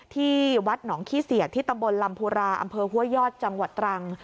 ที่วัดหนองขี้เสียดที่ตำบลลำพูราอำเภอห้วยยอดจังหวัดตรัง